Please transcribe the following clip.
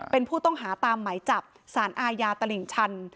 เป็นผู้ต้องหาตามหมายจับสารอาญาตลิ่งชัน